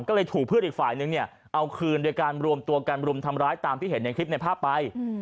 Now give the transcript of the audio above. ก็เลยถูกเพื่อนอีกฝ่ายนึงเนี่ยเอาคืนโดยการรวมตัวกันรุมทำร้ายตามที่เห็นในคลิปในภาพไป